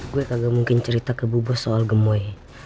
gue kagak mungkin cerita ke bu bos soal gemoy